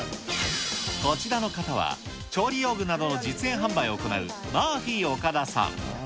こちらの方は、調理用具などの実演販売を行うマーフィー岡田さん。